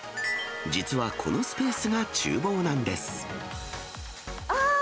実はこのスペースがちゅう房なんあー！